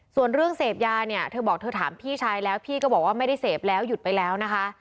ส่วนเรื่องเสพยาเนี่ยเธอบอกเธอถามพี่ชายแล้วพี่ก็บอกว่าไม่ได้เสพแล้วหยุดไปแล้วนะคะ